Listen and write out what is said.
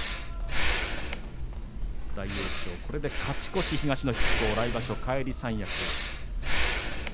大栄翔、これで勝ち越し東の筆頭返り三役。